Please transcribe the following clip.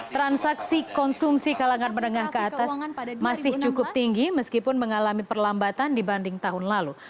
transaksi konsumsi kalangan menengah ke atas masih cukup tinggi meskipun mengalami perlambatan dibanding tahun lalu